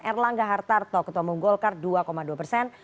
erlangga hartarto ketamung golkar dua dua persen